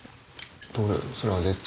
それは絶対。